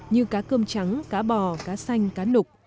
như cá cơm trắng cá bò cá xanh cá nục